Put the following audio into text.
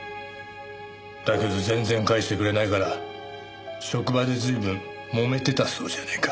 だけど全然返してくれないから職場で随分もめてたそうじゃねえか。